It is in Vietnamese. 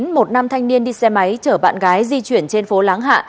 một nam thanh niên đi xe máy chở bạn gái di chuyển trên phố láng hạ